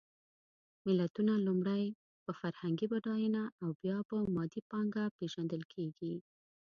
ملتونه لومړی په فرهنګي بډایېنه او بیا په مادي پانګه پېژندل کېږي.